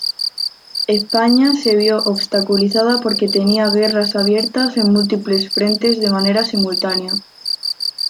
España se vio obstaculizada porque tenía guerras abiertas en múltiples frentes de manera simultánea.